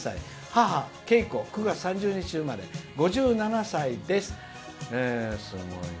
母、けいこ９月３０日生まれ５７歳です。